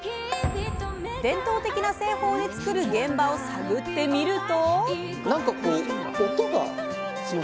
伝統的な製法で造る現場を探ってみると。